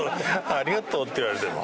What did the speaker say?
「ありがとう」って言われても。